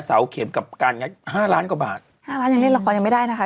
เสาเข็มกับการงัดห้าล้านกว่าบาทห้าล้านยังเล่นละครยังไม่ได้นะคะ